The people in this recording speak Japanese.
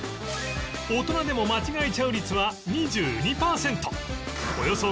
大人でも間違えちゃう率は２２パーセント